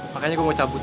makanya gue mau cabut